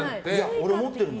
俺、持ってるもん。